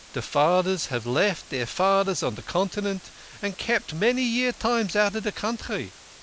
De faders have left deir faders on de Continent, and kept many Year Times out of de country.